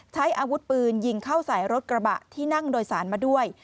ใช้อาวุธปืนยิงเข้าใส่รถกระบะที่นั่งโดยสารมาด้วย